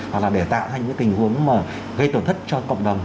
hoặc là để tạo ra những tình huống mà gây tổn thất cho cộng đồng